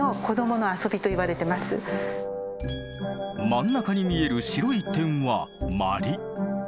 真ん中に見える白い点は鞠。